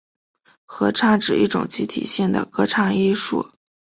合唱指一种集体性的歌唱艺术。